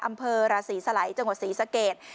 อำเภอราศีสลัยจังหวัดศรีสะเกด